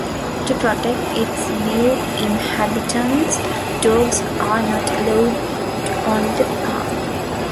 To protect its new inhabitants, dogs are not allowed on the park.